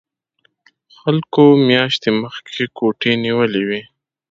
خلکو میاشتې مخکې کوټې نیولې وي